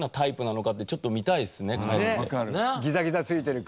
ギザギザ付いてるか。